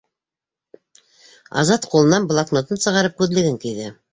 - Азат ҡулынан блокнотын сығарып, күҙлеген кейҙе.